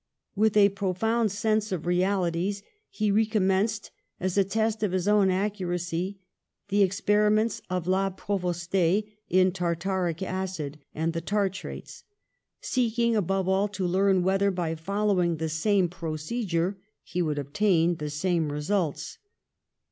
With a profound sense of reali ties he recommenced, as a test of his own ac curacy, the experiments of La Provostaye in tartaric acid and the tartrates, seeking above all to learn whether, by following the same pro cedure, he would obtain the same results.